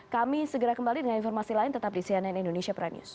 kami segera kembali dengan informasi lain tetap di cnn indonesia prime news